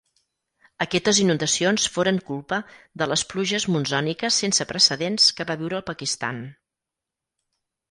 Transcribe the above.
Aquestes inundacions foren culpa de les pluges monsòniques sense precedents que va viure el Pakistan.